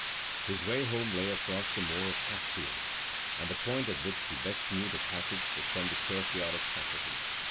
His way home lay across the moor of Catstean, and the point at which he best knew the passage was from the churchyard of Shackleton.